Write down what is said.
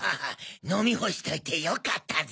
飲み干しといてよかったぜ。